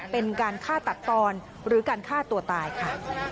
เป็นการฆ่าตัดตอนหรือการฆ่าตัวตายค่ะ